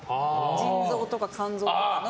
腎臓とか肝臓とかの。